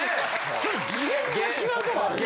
ちょっと次元が違うとこあるよね。